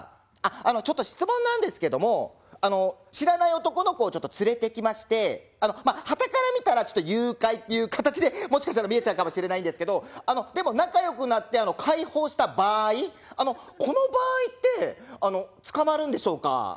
あのちょっと質問なんですけども知らない男の子をちょっと連れてきましてまあはたから見たら誘拐っていう形でもしかしたら見えちゃうかもしれないんですけどでも仲よくなって解放した場合この場合って捕まるんでしょうか？